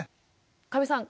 加部さん